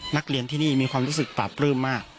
นักเรียนที่นี่มีความรู้สึกปราบปลื้มมาก